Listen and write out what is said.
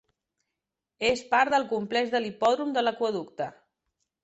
És part del complex de l'Hipòdrom de l'Aqüeducte.